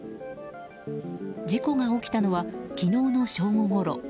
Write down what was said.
事故が起きたのは昨日の正午ごろ。